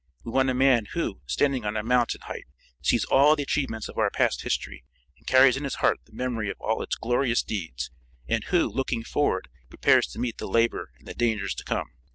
We want a man who, standing on a mountain height, sees all the achievements of our past history, and carries in his heart the memory of all its glorious deeds, and who, looking forward, prepares to meet the labor and the dangers to come.